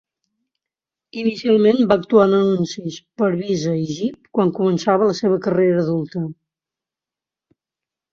Inicialment va actuar en anuncis per Visa i Jeep quan començava la seva carrera adulta.